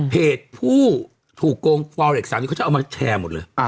เพจผู้ถูกโกงฟอลเล็กสามีเขาจะเอามาแชร์หมดเลย